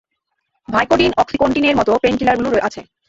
Vicodin, অক্সিকোন্টিনের মতো পেইনকিলারগুলো আছে।